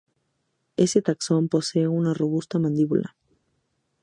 Este taxón posee una robusta mandíbula.